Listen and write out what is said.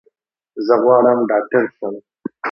زه غواړم ډاکټر شم.